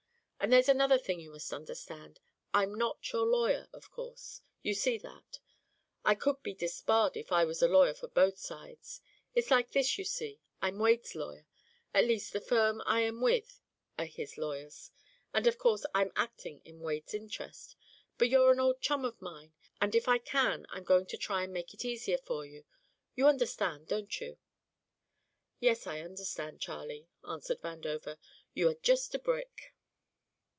And there's another thing you must understand: I'm not your lawyer, of course; you see that. I could be disbarred if I was lawyer for both sides. It's like this, you see: I'm Wade's lawyer at least the firm I am with are his lawyers and of course I'm acting in Wade's interest. But you're an old chum of mine, and if I can I'm going to try and make it easier for you. You understand, don't you?" "Yes, I understand, Charlie," answered Vandover, "and you are just a brick."